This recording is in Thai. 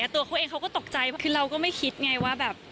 ตัวเค้าเองก็ตกใจคือเราก็ไม่คิดไงว่าแบบ